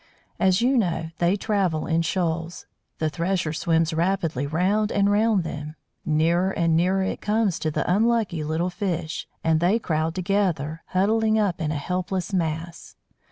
As you know, they travel in shoals. The Thresher swims rapidly round and round them. Nearer and nearer it comes to the unlucky little fish, and they crowd together, huddling up in a helpless mass.